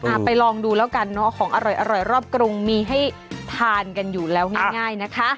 ไปลองดูแล้วกันเนอะของอร่อยอร่อยรอบกรุงมีให้ทานกันอยู่แล้วง่ายนะคะ